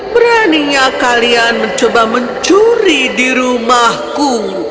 beraninya kalian mencoba mencuri di rumahku